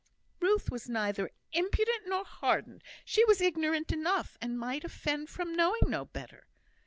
"Ruth was neither impudent nor hardened; she was ignorant enough, and might offend from knowing no better."